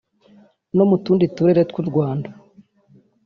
no mu tundi turere tw’u Rwanda